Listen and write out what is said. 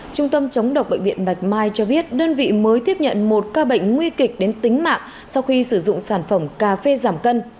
trung tâm chống độc bệnh viện bạch mai cho biết đơn vị mới tiếp nhận một ca bệnh nguy kịch đến tính mạng sau khi sử dụng sản phẩm cà phê giảm cân